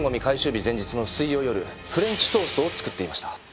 日前日の水曜夜フレンチトーストを作っていました。